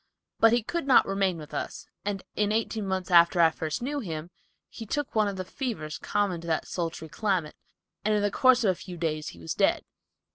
But he could not remain with us, and in eighteen months after I first knew him, he took one of the fevers common to that sultry climate, and in the course of a few days he was dead.